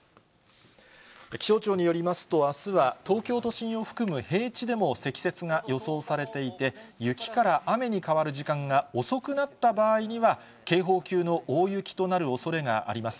気象庁によりますと、あすは東京都心を含む平地でも積雪が予想されていて、雪から雨に変わる時間が遅くなった場合には、警報級の大雪となるおそれがあります。